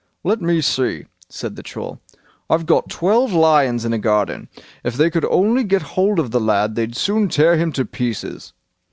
"Let me see", said the Troll; "I've got twelve lions in a garden; if they could only get hold of the lad they'd soon tear him to pieces."